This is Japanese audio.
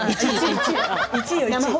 １位よ１位。